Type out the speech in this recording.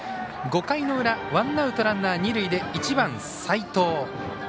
５回の裏ワンアウト、ランナー、二塁で１番、齋藤。